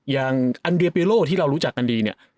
อย่างอันเดียเปียโลที่เรารู้จักกันดีเนี่ย